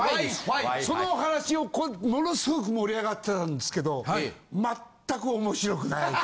そのお話をものすごく盛り上がってたんですけどまったく面白くない。